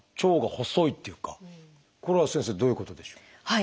これは先生どういうことでしょう？